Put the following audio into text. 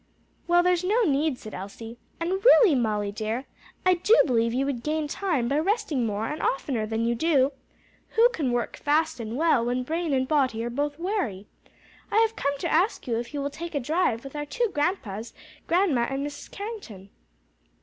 "Well, there's no need," said Elsie, "and really, Molly dear, I do believe you would gain time by resting more and oftener than you do. Who can work fast and well when brain and body are both weary? I have come to ask if you will take a drive with our two grandpas, grandma and Mrs. Carrington?"